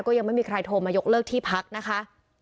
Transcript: ยังไม่มีใครโทรมายกเลิกที่พักนะคะ